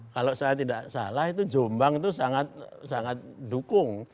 kalau saya tidak salah itu jombang itu sangat dukung